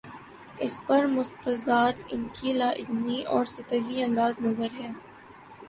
اس پر مستزاد ان کی لا علمی اور سطحی انداز نظر ہے۔